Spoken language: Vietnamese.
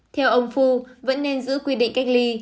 theo ông phu vẫn nên giữ quy định cách ly